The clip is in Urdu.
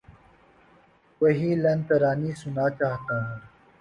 وہی لن ترانی سنا چاہتا ہوں